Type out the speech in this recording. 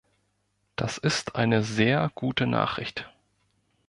Das ist eine sehr gute Nachricht.